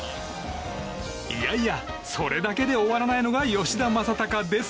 いやいや、それだけで終わらないのが吉田正尚です。